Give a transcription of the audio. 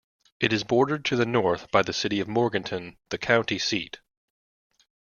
It is bordered to the north by the city of Morganton, the county seat.